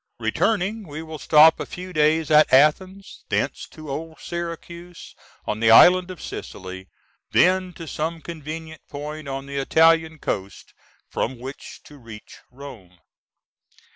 Returning we will stop a few days at Athens, thence to old Syracuse on the island of Sicily, then to some convenient point on the Italian coast from which to reach Rome.